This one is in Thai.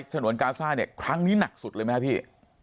สะหนวนการ์ซ่าคลั้งนี้หนักสุดเลยไหมครับพี่